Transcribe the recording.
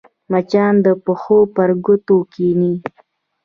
مچان د پښو پر ګوتو کښېني